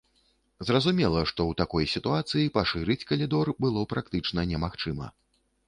Зразумела, што ў такой сітуацыі пашырыць калідор было практычна немагчыма.